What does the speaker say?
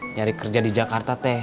nyari kerja di jakarta teh